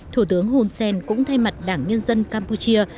thủ tướng hun sen cũng thay mặt đảng nhân dân campuchia